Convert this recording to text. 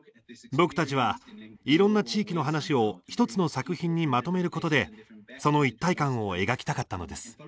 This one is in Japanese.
僕たちはいろんな地域の話を１つの作品にまとめることでその一体感を描きたかったのです。